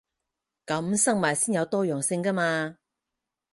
噉生物先有多樣性 𠺢 嘛